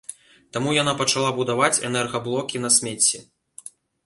Таму яна пачала будаваць энергаблокі на смецці.